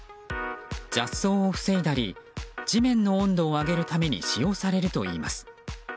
雑草を防いだり地面の温度を上げるために使用されるといいます。